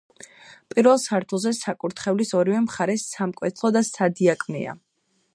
პირველ სართულზე, საკურთხევლის ორივე მხარეს, სამკვეთლო და სადიაკვნეა.